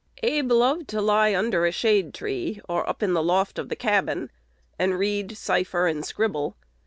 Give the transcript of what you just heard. Abe loved to lie under a shade tree, or up in the loft of the cabin, and read, cipher, and scribble.